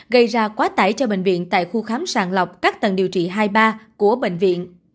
gây ra quá tải cho bệnh viện tại khu khám sàng lọc các tầng điều trị hai ba của bệnh viện